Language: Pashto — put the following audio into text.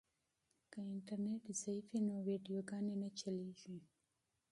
که انټرنیټ ضعیف وي نو ویډیوګانې نه چلیږي.